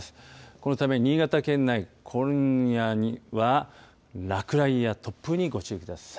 このため、新潟県内、今夜には落雷や突風にご注意ください。